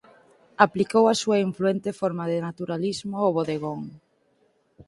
Aplicou a súa influente forma de naturalismo ao bodegón.